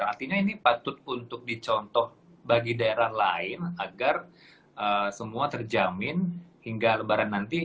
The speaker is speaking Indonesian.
artinya ini patut untuk dicontoh bagi daerah lain agar semua terjamin hingga lebaran nanti